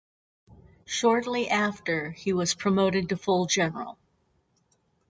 Shortly after he was promoted to full general.